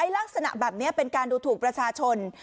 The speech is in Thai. ลักษณะแบบนี้เป็นการดูถูกประชาชน